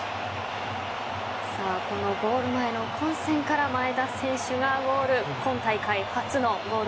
このゴール前の混戦から前田選手がゴール。